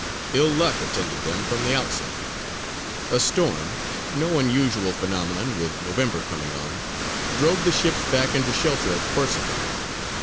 Ill luck attended them from the outset: a storm, no unusual phenomenon with November coming on, drove the ships back into shelter at Corsica.